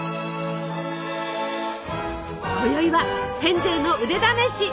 こよいはヘンゼルの腕だめし！